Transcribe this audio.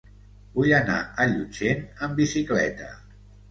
Vull anar a Llutxent amb bicicleta.